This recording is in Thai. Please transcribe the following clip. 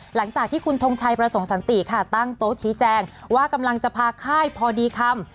หลังจากที่คุณทงชัยประสงค์สันติค่ะตั้งโต๊ะชี้แจงว่ากำลังจะพาค่ายพอดีคำ